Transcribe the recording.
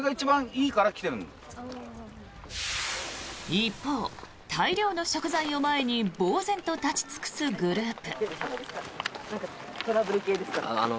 一方、大量の食材を前にぼうぜんと立ち尽くすグループ。